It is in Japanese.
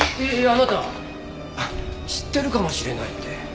あなた知ってるかもしれないって。